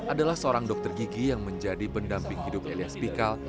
adalah seorang dokter gigi yang menjadi pendamping hidup elias pikal